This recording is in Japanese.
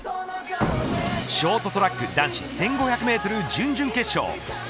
ショートトラック男子１５００メートル準々決勝。